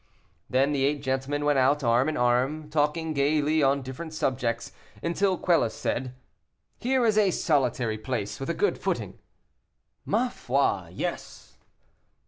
Then the eight gentlemen went out, arm in arm, talking gaily on different subjects, until Quelus said, "Here is a solitary place, with a good footing." "Ma foi, yes."